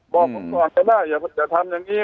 บอกมันกำอะไรมาได้อย่าถามอย่างนี้